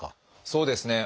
そうですね。